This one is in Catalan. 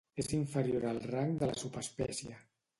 És inferior al rang de la subespècie.